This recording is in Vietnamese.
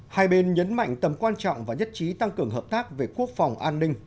hai bên nhấn mạnh tầm quan trọng và nhất trí tăng cường hợp tác về quốc phòng an ninh